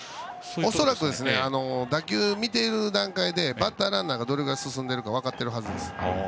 恐らく打球を見ている段階でバッターランナーがどれぐらい進んでいるか分かっているはずです。